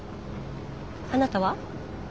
あなたは？